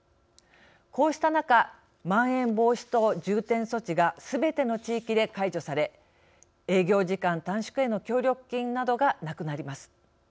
こうした中まん延防止等重点措置がすべての地域で解除され営業時間短縮への協力金などがなくなります。